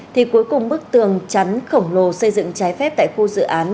thì cuối cùng bức tường chắn khổng lồ xây dựng trái phép tại khu dự án